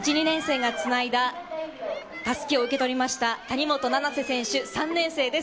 １・２年生が繋いだ襷を受け取りました谷本七星選手、３年生です。